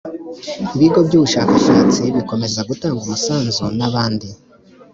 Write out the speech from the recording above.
ibigo by'ubushakashatsi bikomeza gutanga umusanzu, n'abandi